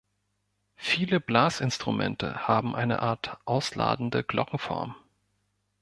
Viele Blasinstrumente haben eine Art ausladende Glockenform.